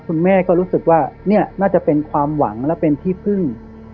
คุณแม่ก็รู้สึกว่านี่น่าจะเป็นความหวังและเป็นที่พึ่ง